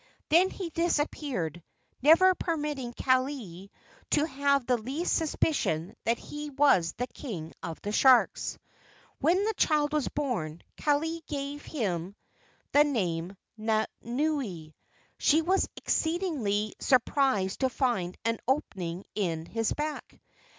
Then he disappeared, never permitting Kalei to have the least suspicion that he was the king of the sharks. When the child was born, Kalei gave to him the name "Nanaue." She was exceedingly sur¬ prised to find an opening in his back.